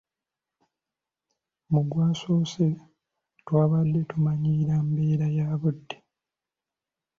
Mu gwasoose twabadde tumanyiira mbeera ya budde.